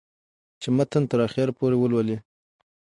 چې متن تر اخره پورې ولولي